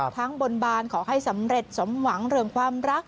บนบานขอให้สำเร็จสมหวังเรื่องความรัก